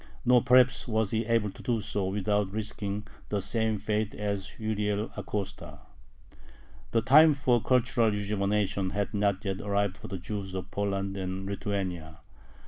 Nor perhaps was he able to do so without risking the same fate as Uriel Acosta. The time for cultural rejuvenation had not yet arrived for the Jews of Poland and Lithuania.